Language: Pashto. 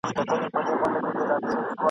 په ښرا لکه کونډیاني هر ماخستن یو ..